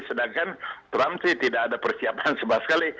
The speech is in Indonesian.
sedangkan trump tidak ada persiapan sebaik sekali